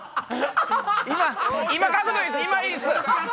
今角度いいっす！